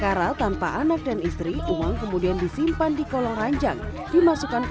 kara tanpa anak dan istri uang kemudian disimpan di kolong ranjang dimasukkan ke